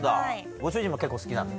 ご主人も結構好きなの？